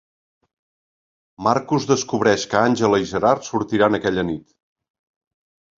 Marcus descobreix que Àngela i Gerard sortiran aquella nit.